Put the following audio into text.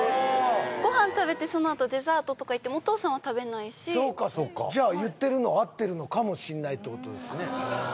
ご飯食べてそのあとデザートとかいってもお父さんは食べないしそうかそうかじゃあ言ってるのは合ってるのかもしんないってことですね